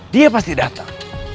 dia pasti datang